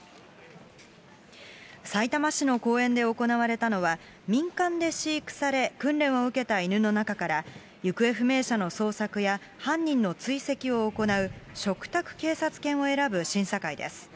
さいたま市の公園で行われたのは、民間で飼育され、訓練を受けた犬の中から、行方不明者の捜索や犯人の追跡を行う、嘱託警察犬を選ぶ審査会です。